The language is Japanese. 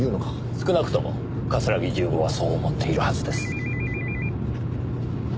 少なくとも桂木重吾はそう思っているはずです。